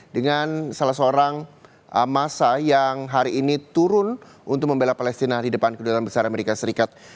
dengan salah seorang massa yang hari ini turun untuk membela palestina di depan kedutaan besar amerika serikat